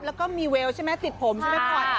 แล้วก็มีเวลใช่ไหมติดผมใช่ไหมผ่อน